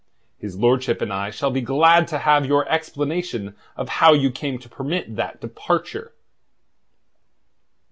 His lordship and I shall be glad to have your explanation of how you came to permit that departure."